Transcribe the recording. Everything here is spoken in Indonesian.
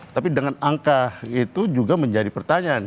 tapi dengan angka itu juga menjadi pertanyaan